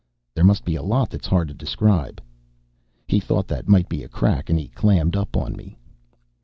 "There must be a lot that's hard to describe." He thought that might be a crack and he clammed up on me.